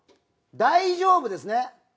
「大丈夫」ですね。